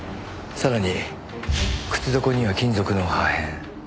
さらに靴底には金属の破片。